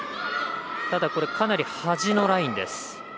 ただ、これかなり端のラインです。